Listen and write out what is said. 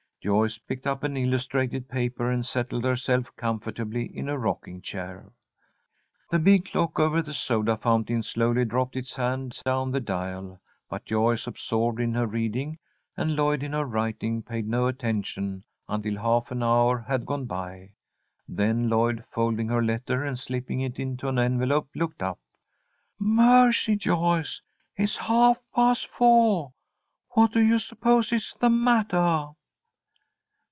Joyce picked up an illustrated paper and settled herself comfortably in a rocking chair. The big clock over the soda fountain slowly dropped its hands down the dial, but Joyce, absorbed in her reading, and Lloyd in her writing, paid no attention until half an hour had gone by. Then Lloyd, folding her letter and slipping it into an envelope, looked up. "Mercy, Joyce! It's half past foah! What do you suppose is the mattah?"